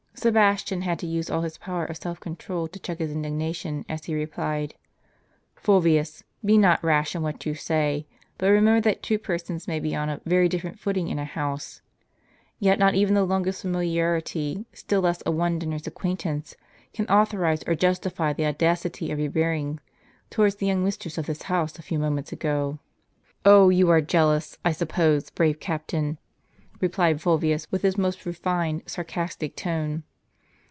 Sebastian had to use all his power of self control to check his indignation, as he replied : "Fulvius, be not rash in what you say; but remember that two persons may be on *a very different footing in a house. Yet not even the longest familiarity, still less a one dinner's acquaintance, can authorize or justify the audacity of your bearing towards the young mistress of this house, a few moments ago." " Oh, you are jealous, I suppose, brave captain !" replied Fulvius, with his most refined sarcastic tone.